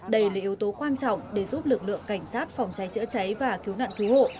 đây là yếu tố quan trọng để giúp lực lượng cảnh sát phòng cháy chữa cháy và cứu nạn cứu hộ